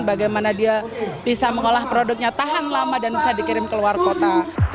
bagaimana dia bisa mengolah produknya tahan lama dan bisa dikirim ke luar kota